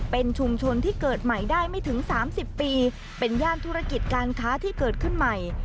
เป็นชุมชนที่เกิดใหม่ได้ไม่ถึง๓๐ปีเป็นย่านธุรกิจการค้าที่เกิดขึ้นใหม่